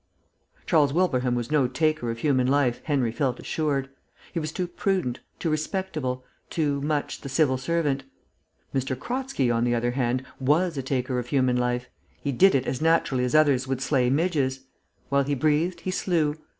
Charles Wilbraham was no taker of human life, Henry felt assured. He was too prudent, too respectable, too much the civil servant. M. Kratzky, on the other hand, was a taker of human life he did it as naturally as others would slay midges; while he breathed he slew.